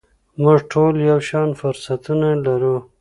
موږ ټول یو شان فرصتونه لرو .